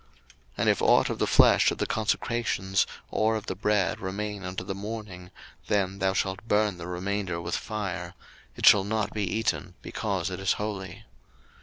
02:029:034 And if ought of the flesh of the consecrations, or of the bread, remain unto the morning, then thou shalt burn the remainder with fire: it shall not be eaten, because it is holy.